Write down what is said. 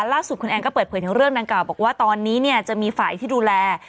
ล่าสุดคุณแอนก็เปิดเผยถึงเรื่องดังกล่าวบอกว่าตอนนี้เนี่ยจะมีฝ่ายที่ดูแล